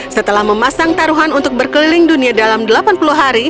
setelah memasang taruhan untuk berkeliling dunia dalam delapan puluh hari